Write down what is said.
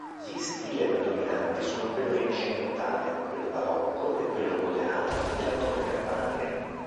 Gli stile predominanti sono quello rinascimentale, quello barocco e quello mudéjar della torre campanaria.